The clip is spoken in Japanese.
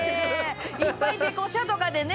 いっぱいデコ車とかでね